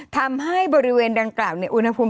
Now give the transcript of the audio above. ทำให้บริเวณดังกล่าวในอุณหภูมิ